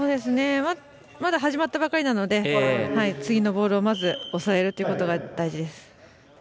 まだ始まったばかりなので次のボールをまず抑えるということが大事です。